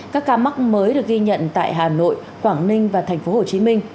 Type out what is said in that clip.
các ca mắc mới được ghi nhận tại hà nội quảng ninh và tp hcm